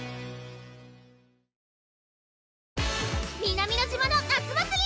南乃島の夏祭り！